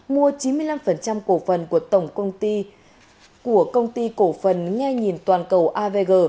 mua chín mươi năm cổ phần của tổng công ty của công ty cổ phần nghe nhìn toàn cầu avg